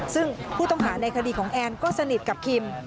ซึ่งผู้ต้องหาในคดีของแอนก็สนิทกับคิม